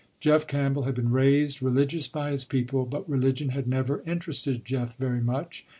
Jeff Campbell had been raised religious by his people but religion had never interested Jeff very much.